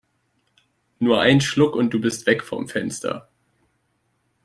Nur ein Schluck und du bist weg vom Fenster!